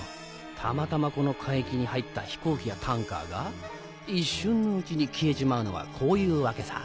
たまたまこの海域に入った飛行機やタンカーが一瞬のうちに消えちまうのはこういうわけさ。